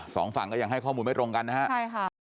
สองฝั่งก็ยังให้ข้อมูลไม่ตรงกันนะฮะใช่ค่ะ